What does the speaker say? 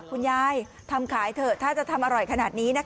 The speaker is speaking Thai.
คุณยายทำขายเถอะถ้าจะทำอร่อยขนาดนี้นะคะ